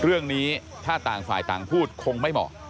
เรื่องนี้ถ้าต่างฝ่ายต่างพูดคงไม่เหมาะ